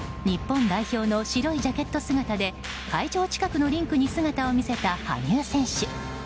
日本代表の白いジャケット姿で会場近くのリンクに姿を見せた羽生選手。